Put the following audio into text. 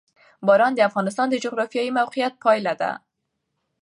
باران د افغانستان د جغرافیایي موقیعت پایله ده.